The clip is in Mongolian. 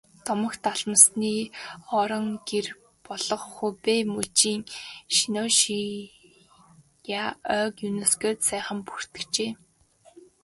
Домогт алмасны орон гэр болох Хубэй мужийн Шеннонжиа ойг ЮНЕСКО-д саяхан бүртгүүлжээ.